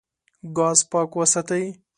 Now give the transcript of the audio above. ګاز پاک وساتئ.